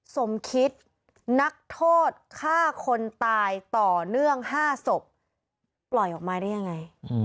สมคิดนักโทษฆ่าคนตายต่อเนื่อง๕ศพปล่อยออกมาได้ยังไง